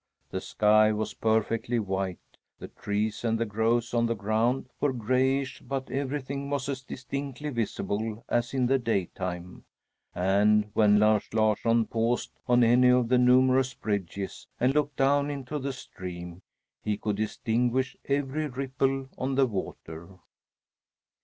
The sky was perfectly white, the trees and the growths on the ground were grayish, but everything was as distinctly visible as in the daytime, and when Lars Larsson paused on any of the numerous bridges and looked down into the stream, he could distinguish every ripple on the water.